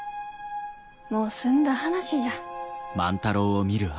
もう済んだ話じゃ。